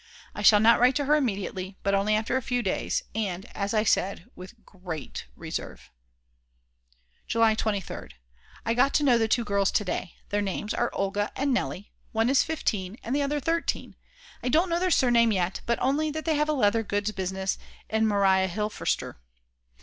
I shall not write to her immediately, but only after a few days, and, as I said, with great reserve. July 23rd. I got to know the two girls to day, their names are Olga and Nelly, one is 15 and the other 13; I don't know their surname yet, but only that they have a leather goods business in Mariahilferstr.